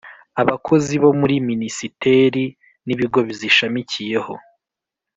abakozi bo muri minisiteri n’ibigo bizishamikiyeho